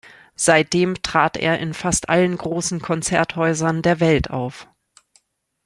Seitdem trat er in fast allen großen Konzerthäusern der Welt auf.